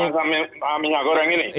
untuk bahasa minyak goreng ini